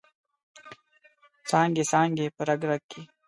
څانګې، څانګې په رګ، رګ کې